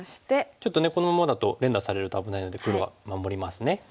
ちょっとねこのままだと連打されると危ないので黒は守りますね。